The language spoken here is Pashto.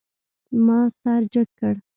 ما سر جګ کړ.